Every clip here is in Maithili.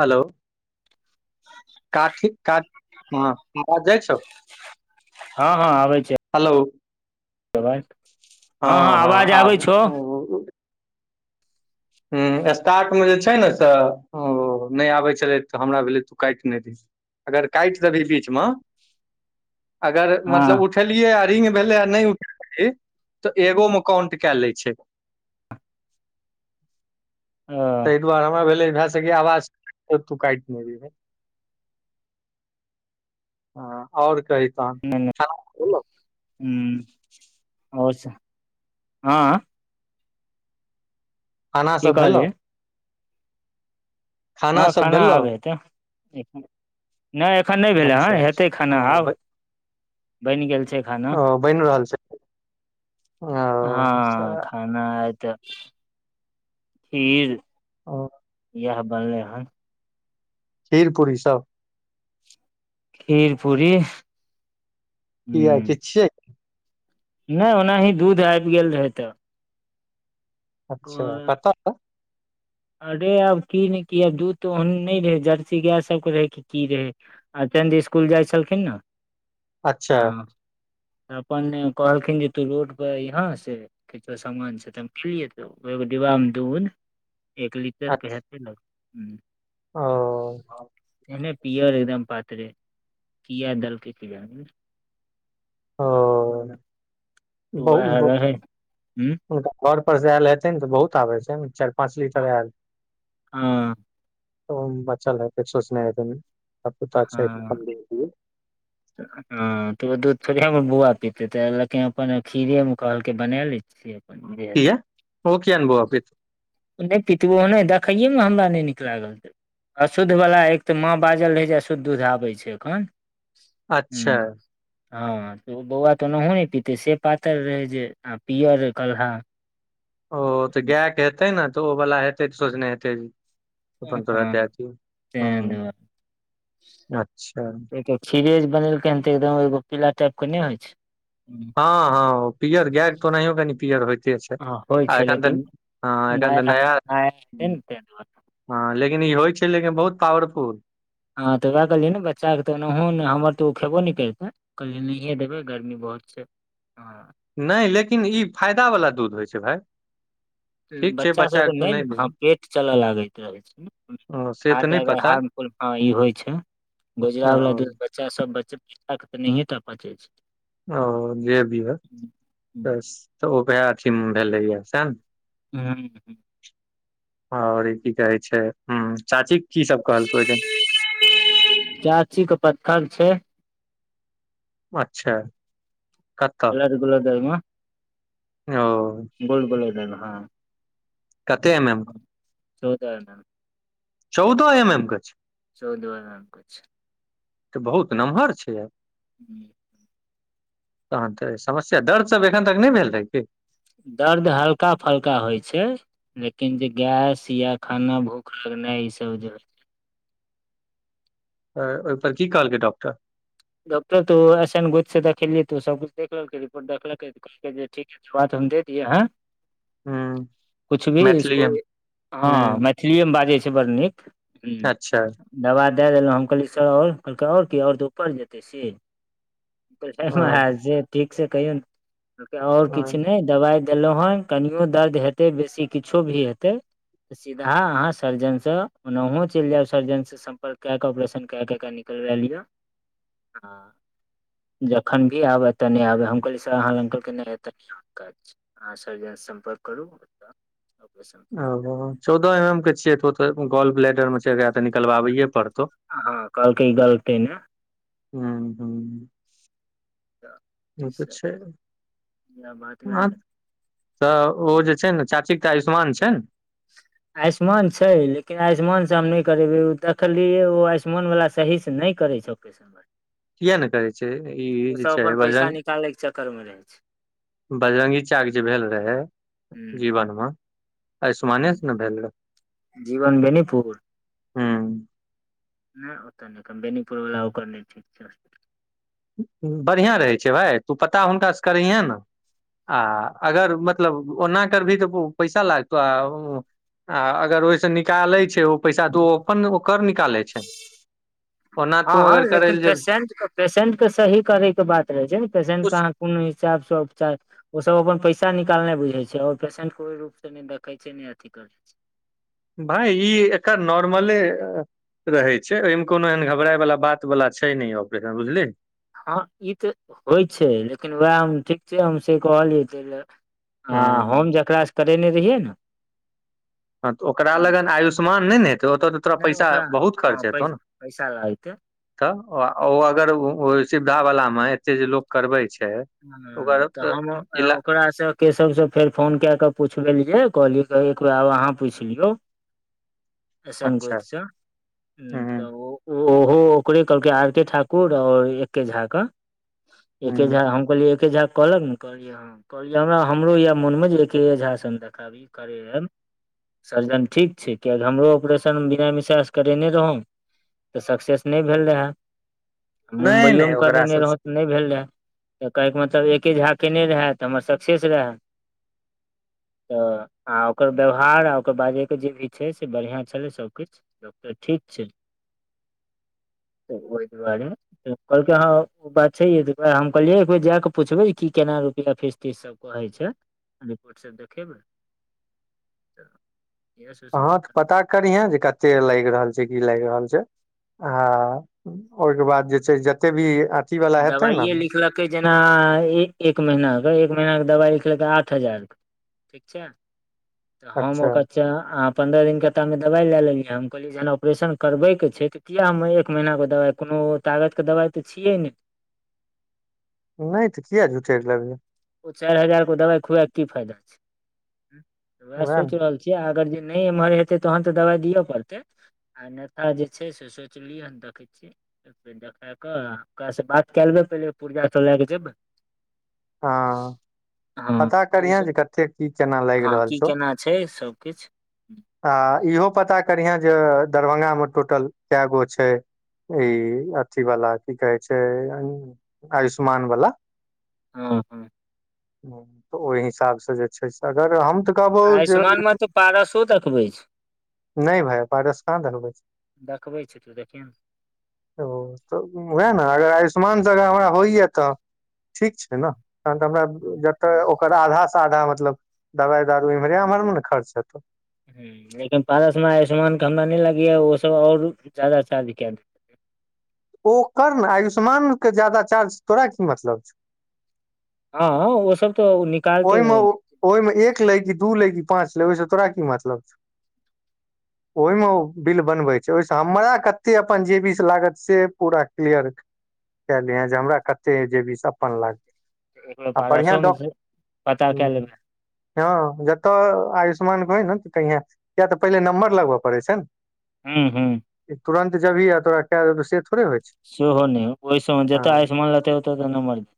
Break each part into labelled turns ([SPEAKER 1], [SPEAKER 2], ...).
[SPEAKER 1] हेलो [unintelligible]
[SPEAKER 2] हँ हँ आबै छै
[SPEAKER 1] हलो
[SPEAKER 2] [inaudible] हँ हँ आवाज आबै छौ
[SPEAKER 1] हु स्टार्ट में जे छै न से नै आबै छलै तऽ हमरा भेलै तू काइट नै दीही अगर काइट देबी बीचम [inaudible] अगर
[SPEAKER 2] हँ
[SPEAKER 1] मतलब उठ उठेलियए आ रिंग भेले आ नै उठै तऽ एगो में काउंट कै ले छै
[SPEAKER 2] [unintelligible]
[SPEAKER 1] तै दुआरे हमरा भेल भए सके आवाज काटि नै दिहेन [inaudible] ह आ ओर कही तन खना आ [unintelligible] स भैलो
[SPEAKER 2] हु [unintelligible]
[SPEAKER 1] खाना
[SPEAKER 2] की
[SPEAKER 1] सब भेलो
[SPEAKER 2] कहलियै
[SPEAKER 1] सब भेलौ
[SPEAKER 2] हँ
[SPEAKER 1] सब
[SPEAKER 2] खाना
[SPEAKER 1] भेलौ
[SPEAKER 2] आब हेतै नय एखन नय भेलै हँ
[SPEAKER 1] अच्छा
[SPEAKER 2] हेतै खाना
[SPEAKER 1] अच्छा अ
[SPEAKER 2] आब
[SPEAKER 1] ब-
[SPEAKER 2] बैन गेल छै खानो
[SPEAKER 1] ओ बैन रहल छै ओ सा
[SPEAKER 2] एना आइ तऽ फिर
[SPEAKER 1] ओ
[SPEAKER 2] ऐह बनलै हन
[SPEAKER 1] खीर पूरी सब
[SPEAKER 2] खीर पूरी
[SPEAKER 1] किया किछ छिये
[SPEAKER 2] नय ओनाही दूध आइब गेल रहै तऽ
[SPEAKER 1] अच्छा कतऽ तऽ
[SPEAKER 2] अरे अब की नय की अब दूध तऽ ओहन नय रहै जर्सी गाय सबके रहै कि की रहै आ चंद्र इसकुल जाइ छलखिन नऽ
[SPEAKER 1] अच्छा
[SPEAKER 2] हँ तऽ अपन कहलखिन जे तू रोड पर अइहे से केकरो सामान छै तऽ हम गेलियै तऽ उ एगो डिब्बा मऽ दुध एक लीटर के
[SPEAKER 1] अच्छा
[SPEAKER 2] हेते लगे हुँ
[SPEAKER 1] ओ
[SPEAKER 2] एहने पीयर एकदम पातरे किया दलके किया नैय
[SPEAKER 1] ओ
[SPEAKER 2] तऽ वैह
[SPEAKER 1] बहु
[SPEAKER 2] रहै हुं
[SPEAKER 1] हुनका घर पर से आयल हेतै नऽ तऽ बहुत आबे छै नऽ चाइर पाँच लीटर आयल
[SPEAKER 2] हँ
[SPEAKER 1] तऽ ओहुमे बच्चा लेय कुछ सोचने हेते
[SPEAKER 2] हुँ ऐखन हँ तऽ ओ दूध थोड़े हमर बोआ पीते तऽ लेकिन अपन खीरे मऽ कहलकै बना लै छियै अपन जे हेतै
[SPEAKER 1] किया ओ किया नय बोआ पीते
[SPEAKER 2] ओ नय पितै ओ नय देखैये मऽ हमरा नय नीक लागल तऽ अशुद्ध वला एक तऽ माँ बाजल रहै जे अशुद्ध दूध आबै छै एखन
[SPEAKER 1] अच्छा
[SPEAKER 2] हुँ हँ तऽ उ बौआ तऽ ओनाहु नय पीते से पातर रहे जे आ पियअर कल्हा
[SPEAKER 1] ओ तऽ गाय कऽ हेतै नऽ तऽ ओ वाल हेतै तऽ सोचने हेतै अपन तोरा
[SPEAKER 2] हँ
[SPEAKER 1] दै दि हुँ
[SPEAKER 2] तें दुआरे
[SPEAKER 1] अच्छऽ
[SPEAKER 2] ओहिके खीरे जे बनेलकै हँ तऽ एकदम एगो पीला टाइप कऽ नय होइ छै
[SPEAKER 1] हँ हँ पियर गाय केँ तऽ ओनाहियो कनि पियर होइते छै।
[SPEAKER 2] हँ होइ
[SPEAKER 1] आ
[SPEAKER 2] छै
[SPEAKER 1] एखन तऽ
[SPEAKER 2] लेकिन
[SPEAKER 1] हँ एखन तऽ नया
[SPEAKER 2] हेतै ने तै दुआरे
[SPEAKER 1] हँ लेकिन ई होइ छै लेकिन बहुत पावरफुल।
[SPEAKER 2] हँ तऽ वैह कहलियै नऽ बच्चा कऽ तऽ ओनाहु नय हमर तऽ ओ खेबो नय करितै कहलै नहिए देबै गर्मी बहुत छै हँ।
[SPEAKER 1] नय लेकिन ई फायदा बला दूध होइ छै भाय। ठीक छै
[SPEAKER 2] बच्चा सब कऽ
[SPEAKER 1] के
[SPEAKER 2] नय
[SPEAKER 1] नहि
[SPEAKER 2] नऽ हँ
[SPEAKER 1] देही
[SPEAKER 2] पेट चलऽ लागैत रहै छै।
[SPEAKER 1] ओ से तऽ
[SPEAKER 2] हार्ड
[SPEAKER 1] नहि पता
[SPEAKER 2] हर्म फूल ई होइ छै गोजरा वला
[SPEAKER 1] ओ
[SPEAKER 2] दूध बच्चा सब बच्चा [unintelligible] तऽ नहिये टा पचै छै।
[SPEAKER 1] ओ जे भी हइ
[SPEAKER 2] हुँ, हुँ।
[SPEAKER 1] तऽ ओ ओहै अथी मे भेलै सैह नऽ
[SPEAKER 2] ह [unintelligible]
[SPEAKER 1] ओर ई कि कहे छै ह चाची कि सभ कहलकै ओहिदिन
[SPEAKER 2] चाची के पत्थर छै।
[SPEAKER 1] अच्छा कऽ
[SPEAKER 2] ग धर्मे
[SPEAKER 1] ओ
[SPEAKER 2] गोल गोल ने हँ।
[SPEAKER 1] कते मे
[SPEAKER 2] चौदह अना।
[SPEAKER 1] चौदहो एम एम के छै।
[SPEAKER 2] चौदह एम एम के छै।
[SPEAKER 1] तऽ बहुत नमहर छै।
[SPEAKER 2] ह।
[SPEAKER 1] तहन तऽ समस्या दर्द सभ एखन तक नहि भेल रहै कि
[SPEAKER 2] दर्द हल्का फल्का होइ छै लेकिन जे गैस या खाना भूख लगनाइ ई सभ जे
[SPEAKER 1] ओहिपर कि कहलकै डॉक्टर
[SPEAKER 2] डॉकटर तू असान गुथ से देखैलिये तऽ सभ देख लेलके रिपोट देखलके। ठीक सुवाद हम दे दियए हैं
[SPEAKER 1] हूँ
[SPEAKER 2] कछ भी इसको
[SPEAKER 1] मैथिलीए मे
[SPEAKER 2] ह
[SPEAKER 1] हूँ
[SPEAKER 2] मै मैथिलीएमे बाजै छै बड़ नीक
[SPEAKER 1] अच्छा
[SPEAKER 2] दवा दए देलहुँ हम कहलियै सर आओर कहलकै आओर कि आओर तऽ उपर जेतै से।
[SPEAKER 1] ओ
[SPEAKER 2] जे ठीक से कहियौ ने आओर किछु नहि दवाइ देलहु हन कनियो दर्द हेतै बेसी किछो भी हेते तऽ सीधा अहाँ सर्जन से ओनाहो चलि जाउ सर्जन से सम्पर्क कए के ऑपरेशन कए के कनि लय लिहा ह जखन भी आबय त नहि आबय हम कहलिये सर आहाँ लग कहलके नहि नहि ऐताय आबि के काज नहि छै। आहाँ सर्जन सॅं सम्पर्क करू।
[SPEAKER 1] चौदह एम एम के छिये तो तऽ गोल्फ ब्लेडर मे चाहे ते निकलबै पड़तौ।
[SPEAKER 2] हँ कहलके इ गलतय नहि।
[SPEAKER 1] ह ह
[SPEAKER 2] अच्छा।
[SPEAKER 1] ओ तऽ छै
[SPEAKER 2] बात भेल ने।
[SPEAKER 1] तऽ ओ जे छै ने चाची आयुष्मान छै ना।
[SPEAKER 2] आयुष्मान छै लेकिन आयुष्मान से हम नैय करेबेैय ओ देखलियै ओ आयुष्मान वाला सही से नैय करै छै पेश
[SPEAKER 1] किए नैय करै छै ई जे छै
[SPEAKER 2] अपन पैसा
[SPEAKER 1] बजरंग।
[SPEAKER 2] निकाले के चक्कर मे रहे छै
[SPEAKER 1] बजरंगी चच्चा के जे भेल रहे
[SPEAKER 2] ह
[SPEAKER 1] जीवन म आयुष्मानेसँ ने भेल
[SPEAKER 2] जीवन बेनीपुर
[SPEAKER 1] रहै
[SPEAKER 2] नहि ओतऽ नहि क बेनीपुर वला ओकर नहि ठीक छै
[SPEAKER 1] बढ़िआँ रहै छै भाय तू पता हुनकासँ करैहे ने आ अगर मतलब ओना करबही तऽ पैसा लागतौ आ आ अगर ओई सऽ निकालय छै ओ पैसा त अपन ओकर निकालय। ओना तू अगर करै ल जे
[SPEAKER 2] पेसेंट के सही करय के बात रहै छै ने पेसेंट के अहाँ
[SPEAKER 1] जेबही
[SPEAKER 2] कोन हिसाब सऽ उपचार, ओ सभ अपन पैसा निकालनाय बुझय छै और पेसेंट के ओइ रूप से नैय देखे छै। ने अथि करय छै।
[SPEAKER 1] भाय ई एकर नर्मले। रहै छै ओहिमे कोनो एहन घबराए वला बात बला छै नै ऑपरेशन बुझली
[SPEAKER 2] ह ई तऽ होइ छै लेकिन उएह हम ठीक छै हम से कहलियै तै लए आ
[SPEAKER 1] हँ
[SPEAKER 2] हम जकरा सँ करेने रहियै न।
[SPEAKER 1] हँ तऽ ओकरा लगन आयुष्मान नहि ने हेतौ ओतऽ तऽ तोरा
[SPEAKER 2] नहि
[SPEAKER 1] पैसा
[SPEAKER 2] ओकरा
[SPEAKER 1] बहुत
[SPEAKER 2] हँ
[SPEAKER 1] खर्च
[SPEAKER 2] पै
[SPEAKER 1] हेतौ न।
[SPEAKER 2] पैसा लागतै
[SPEAKER 1] तऽ ओ अगर ओ सुविधा वाला में एते जे लोक करबै छै। ओकर
[SPEAKER 2] हाँ तऽ हम
[SPEAKER 1] इला
[SPEAKER 2] ओकरा सँ। केशव सँ फेर फोन के कऽ पुछबेलीयै कहलीयै एक बेर अहाँ पुछि लियो। छह हु
[SPEAKER 1] अच्छा हूं
[SPEAKER 2] तऽ ओ ओहो ओकरे कहलकै आर के ठाकुर और एके झा कऽ एके
[SPEAKER 1] हूं
[SPEAKER 2] झा हम कहलियै एके झा कहलक ने कहलियै ह कहलिय हमरा हमरो या मोनमे एकै झा सऽ हम देखाबी। करैयम। सर्जन ठीक छै कियाकि हमरो ऑपरेशन बीना मिसरा से करेने रहौ तऽ सक्सेस नहि भेल रहे
[SPEAKER 1] नहि
[SPEAKER 2] मुम्बइयो
[SPEAKER 1] नहि
[SPEAKER 2] मे
[SPEAKER 1] ओकरा
[SPEAKER 2] करेने रहौं
[SPEAKER 1] सब
[SPEAKER 2] तऽ नैय भेला। तऽ काइल खुना एके झा केने रहै तऽ हमर सक्सेस रहै।
[SPEAKER 1] [inaudible]
[SPEAKER 2] तऽ आ ओकर व्यवहार आ ओकर बाजै के जे भी छै से बढ़िआ छलै सभ किछ डॉक्टर ठीक छै। त ओहि दुआरे कहलकै ह ओ बात छैए जे ओकरा हम कहलियै जा कऽ पूछबे की केना रुपया फीस- तीस सभ कहे छै रिपोर्ट सभ देखेबै तऽ इएह
[SPEAKER 1] हाँ
[SPEAKER 2] सोचलियै
[SPEAKER 1] तऽ पता करिहे जे कते लागि रहल छै कि लागि रहल छै
[SPEAKER 2] हँ
[SPEAKER 1] हाँ ओहिके बाद जे छै जते भी अथी
[SPEAKER 2] ई
[SPEAKER 1] वला हेतै ने
[SPEAKER 2] दबाइए लिखलकै जेना एक महीना के एक महिना के दबाइ लिखलकै आठ हजार के ठीक छै। तऽ हँ मौका अच्छा अहाँ पन्द्रह दिनके तामे दवाइ लए लेलियै हम कहलियै जेना ऑपरेशन करबै के छै तऽ किया हम एक महीना के दवाइ कोनो तागत के दवाइ तऽ छियै ने।
[SPEAKER 1] नैय तऽ किया झुठे लेबै।
[SPEAKER 2] ओ चारि हजार के दवाइ खुवए के की फायदा छै वएह सोच रहल छी। किया अगर जे नैय एम्हर हेतै तहन तऽ दबाइ दिअ पड़तै। आ नेता जे छै से सोचलियै हन देखै छी। र देखा कऽ ओकरा से बात के लेबै पहिले पुर्जा सभ लए क जेबै
[SPEAKER 1] हा
[SPEAKER 2] हँ
[SPEAKER 1] पता
[SPEAKER 2] तऽ ओस
[SPEAKER 1] करिहे जे कते कि केना लागि
[SPEAKER 2] हँ
[SPEAKER 1] रहल
[SPEAKER 2] की
[SPEAKER 1] छौ
[SPEAKER 2] केना छै सभकिछ
[SPEAKER 1] आ इहो पता करिहे जे दरभंगा मे टोटल कए गो छै। ई अथी वाला कि कहै छै आयुष्मान वाला
[SPEAKER 2] ह
[SPEAKER 1] तऽ ओहि हिसाबसँ जे छै से अगर हम तऽ कहबौ जे
[SPEAKER 2] आयुष्मानमे तऽ पारसो देखबै छै।
[SPEAKER 1] नहि भाय पारस कहाँ धनूै
[SPEAKER 2] छै देखबै छै तू देखियह
[SPEAKER 1] ओ तऽ उएह न अगर आयुष्मान संगे हमरा होइय तऽ ठीक छै नै तहन तऽ
[SPEAKER 2] ने
[SPEAKER 1] हमरा। तऽ ओकर आधा सँ आधा मतलब दवाइ दारू इम्हरे एम्हर मे ने खर्च हेतौ
[SPEAKER 2] हूॅं, लेकिन पारसमे आयुष्मानके हमरा नै लागैया ओ सब और ज्यादा चार्जके दे
[SPEAKER 1] ओ कर ने, आयुष्मानके जादा चार्ज तोरा की मतलब छौ?
[SPEAKER 2] हँ ओ सब तॅं नी
[SPEAKER 1] ओहिमे ओहिमे एक लै कि दू लै कि पाँच लै ओहिसँ तोरा की मतलब छौ? [inaudible] ओहिमे ओ बिल बनबै छै, ओहिसँ हमरा कतेक अपन जेबीसॅं लागत से पूरा क्लियर कए दिहेॅं जे हमरा कते जेबी से अपन लागतै?
[SPEAKER 2] [unintelligible] पारसोमे छै?
[SPEAKER 1] हँ, हँ जतय आयुष्मान होय ने कहिहेॅं किया तॅं पहिले नंबर लगबऽ पड़ै छै ने!
[SPEAKER 2] हूॅं, हूॅं
[SPEAKER 1] ई तुरन्त जेबहि आ तोरा कए देतहुॅं, से थोड़े होइत-
[SPEAKER 2] सेहो नहि, ओहि सभमे जतय आयुष्मान रहतै ओतय नंबर [unintelligible]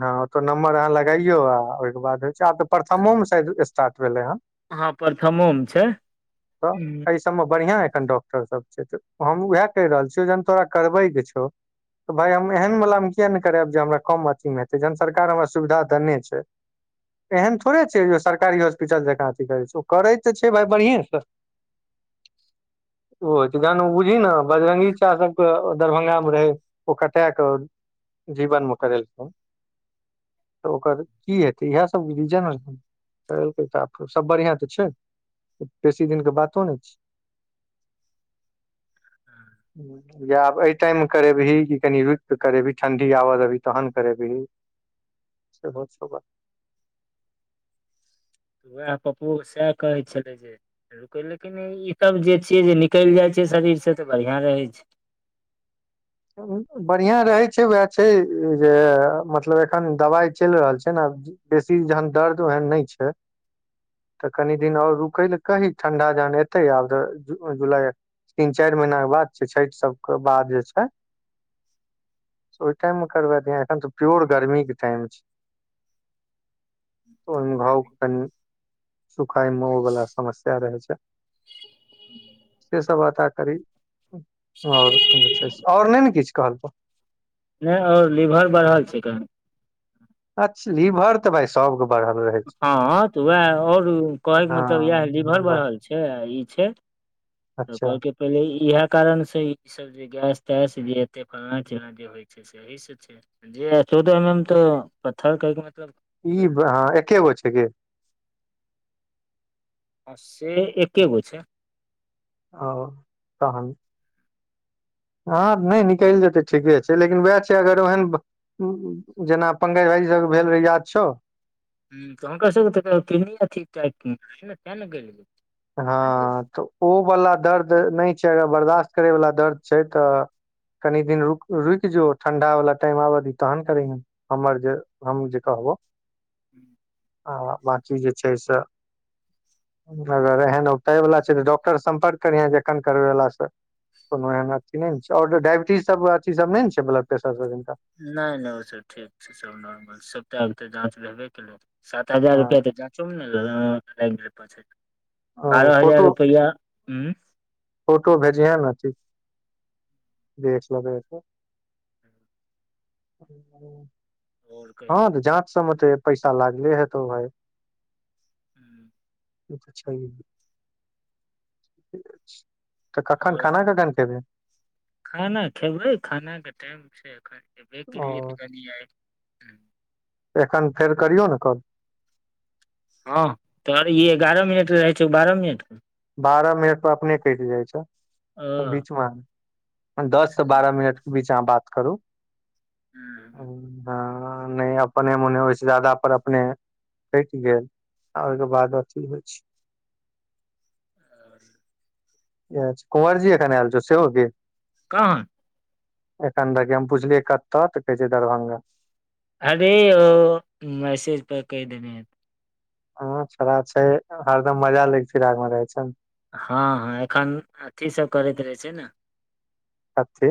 [SPEAKER 1] हँ, ओ तॅं नम्बर अहाँ लगाइयौ आ- बाद होइ छै आब तँ प्रथमोमे शायद स्टार्ट भेलै हेँ
[SPEAKER 2] हँ, प्रथमोमे छै,
[SPEAKER 1] तऽ
[SPEAKER 2] हँ
[SPEAKER 1] एहि सबमे बढ़िआँ एखन डॉक्टर सब छै तऽ, हम उएह कहि रहल छियौ जहन तोरा करबैके छौ- तॅं भाइ हम एहन वलामे किया नहि कराएब जे हमरा कम अथी मे हेतै जहन सरकार हमरा सुविधा देने छै एहन थोड़े छै जे ओ सरकारी हॉस्पिटल जकाँ अथी करै छै, ओ करै तऽ छै भाइ बढ़ियेॅंसॅं [inaudible] ओ जहन बुझही ने बजरंगी चचा सबके दरभंगामे रहै छै ओ कटाए कऽ जीवनमे करेलकै, तॅं ओकर की हेतै इएह सब रीजन- करेलकै तॅं आ सब बढ़िआँ तॅं छै, बेसी दिनके बातो नहि छै। [inaudible] या आब एहि टाइममे करेबही कि कनि रुकिके करेबही, ठंडी आबऽ देबही तहन करेबही? सेहो [unintelligible]
[SPEAKER 2] वएह पप्पो सएह कहैत छलै जे- लेकिन ई सब जे छियै जे निकलि जाय छै शरीर से तॅं बढ़ियाॅं रहै छै।
[SPEAKER 1] बढ़ियाॅं रहै छै उएह छै जे मतलब एखन दबाइ चलि रहल छै ने बेसी जहन दर्द ओहेन नहि छै तॅं कनि दिन आओर रुकै लए कही ठंडा जहन एतै आब तँ जुलाइ- तीन-चारि महिनाके बाद छै, छठि सबके बाद जे छै- ओहि टाइममे करबा दिहेॅं एखन तॅं प्योर गर्मीके टाइम छै। भाव कनि सुखाय [unintelligible] वला समस्या सैह रहै छै, से सभ [unintelligible] करि, आओर जे छै से, आओर नहि ने किछु कहलखुन
[SPEAKER 2] नहि आओर लीवर बढ़ल छै कऽ
[SPEAKER 1] अच्छा लीभर ई तॅं भाइ सबके बढ़ल रहै- छै
[SPEAKER 2] हँ तॅं उएह आओर कहैके मतलब इएहे लीवर बढ़ल छै आ ई छै तॅं
[SPEAKER 1] अच्छा
[SPEAKER 2] कहलकै पहिले इएहे कारण से ई सब जे गैस-तैस जे एते फलना चिलाॅं जे होय छै से [unintelligible]
[SPEAKER 1] ई हॅं एकेगो छै [unintelligible]
[SPEAKER 2] हँ से एकेगो छै।
[SPEAKER 1] आओ तहन। ह नहि निकलि जेतै ठीके छै लेकिन उएह छै अगर ओहन जेना पंकज भाईी सभ भेल रहे याद छौ
[SPEAKER 2] ह तक त किंग ने तऽ ने आ जे
[SPEAKER 1] हँ तऽ ओवला दर्द नहि छै अगर बर्दाश्त करयवला दर्द छै त कनी दिन रुक रुकि जो ठंडा वाला टाइम आब दी तहन करी ने हमर ज हम जे कहबो
[SPEAKER 2] [inaudible]
[SPEAKER 1] आ बाकी जे छैय सँ अगर एहन उगतय वला छै तऽ डॉक्टर सम्पर्क करिहे जखन करबे वला से कोनो एहन अथी नहि ने छैय आओर ड डायबिटीज सभ अथी सभ नैय न छैय ब्लड प्रेशर सभ हिनका
[SPEAKER 2] नहि नहि ओ सभ ठीक छैय सभ नॉर्मल सबटा आब तऽ जाँच भेबे केलै सात हजार रुपया त जाँचो मे लेले
[SPEAKER 1] हँ
[SPEAKER 2] बारह हजार
[SPEAKER 1] फोटो
[SPEAKER 2] रुपया उम
[SPEAKER 1] फोटो भेजिहे। ने छी--देख लेबै तऽ [inaudible]
[SPEAKER 2] आओर
[SPEAKER 1] हँ
[SPEAKER 2] कहियौ
[SPEAKER 1] त जाँच सभमे त पैसा लागले हेतौ भाय
[SPEAKER 2] हुँ
[SPEAKER 1] तऽ कखन
[SPEAKER 2] आओर
[SPEAKER 1] खाना कखन खेबै
[SPEAKER 2] खाना खेबैय खानाक टाइम छैय अखैन खेबे
[SPEAKER 1] ओ
[SPEAKER 2] केलियै तऽ कनि आय
[SPEAKER 1] एखन फेर करियौ ने काॅल।
[SPEAKER 2] ह तोहर ई एगारह मिनट रहैय छौ बारह मिनट
[SPEAKER 1] बारह मिनट पर अपने कटि जाइ छैय
[SPEAKER 2] ओह
[SPEAKER 1] बीच मे दस से बारह मिनट बीचा बात करू।
[SPEAKER 2] हूँ।
[SPEAKER 1] ह नहि अपने मोने ओहिस जादा पर अपने हटि गेल आ ओहिके बाद अथी होइ छै
[SPEAKER 2] [inaudible]
[SPEAKER 1] कुवँरजी एखन एल छो सेओ गे
[SPEAKER 2] कान।
[SPEAKER 1] एखन देखी हम पुछलियै कत तऽ कहे छैय दरभंगा
[SPEAKER 2] आरे ओ मैसेज पर कहि देने
[SPEAKER 1] हँ छोड़ा छै हरदम मजा लैक फिराक मे रहै छैन
[SPEAKER 2] हँ हँ एखन अथी सभ करैत रहैय छैय ने
[SPEAKER 1] कथी